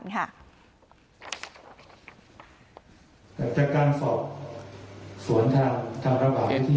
จากการสอบสวนทางระหว่างที่นี่